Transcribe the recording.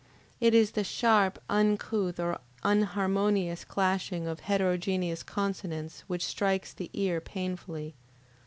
It is the sharp, uncouth, or unharmonious clashing of heterogeneous consonants which strikes the ear painfully.